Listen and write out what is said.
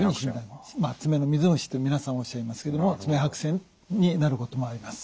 まあ爪の水虫って皆さんおっしゃいますけども爪白癬になることもあります。